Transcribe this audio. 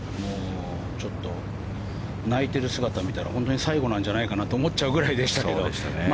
ちょっと、泣いてる姿を見たら、最後なんじゃないかなと思っちゃうぐらいでしたけど。